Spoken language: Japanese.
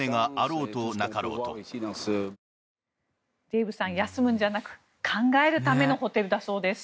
デーブさん休むんじゃなく考えるためのホテルだそうです。